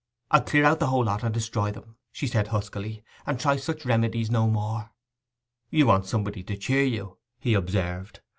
'I'll clear out the whole lot, and destroy them,' said she huskily, 'and try such remedies no more!' 'You want somebody to cheer you,' he observed.